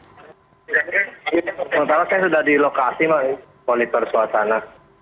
saya sudah di lokasi pak monitor suasana